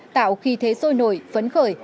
tạo khí thế sôi nổi phấn khởi